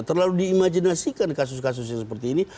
terlalu di imajinasikan kasus kasus yang seperti ini